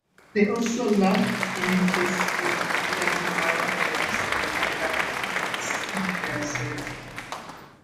They also lack any trace of Epstein-Barr virus and other herpesviruses.